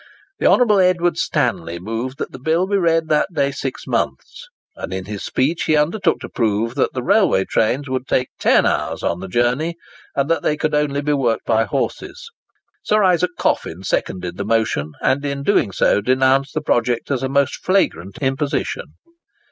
The Hon. Edward Stanley moved that the bill be read that day six months; and in his speech he undertook to prove that the railway trains would take ten hours on the journey, and that they could only be worked by horses. Sir Isaac Coffin seconded the motion, and in doing so denounced the project as a most flagrant imposition.